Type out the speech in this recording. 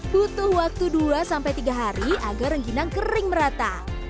butuh waktu dua sampai tiga hari agar rengginang kering merata